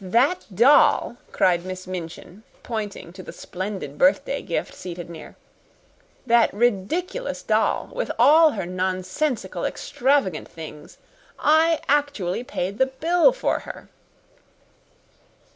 "That doll," cried Miss Minchin, pointing to the splendid birthday gift seated near "that ridiculous doll, with all her nonsensical, extravagant things I actually paid the bill for her!"